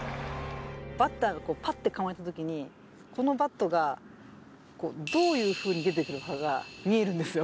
バッターがぱって構えたときに、このバットがこう、どういうふうに出てくるかが見えるんですよ。